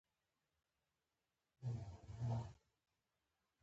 د ګاونډي سترګې باید ونه رنځوې